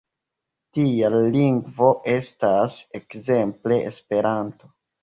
Tia lingvo estas ekzemple Esperanto.